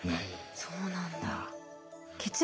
そうなんだ。